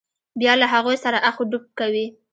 بیا له هغوی سره اخ و ډب کوي.